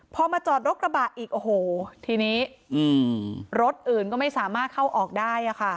พอมาจอดรถกระบะอีกโอ้โหทีนี้รถอื่นก็ไม่สามารถเข้าออกได้ค่ะ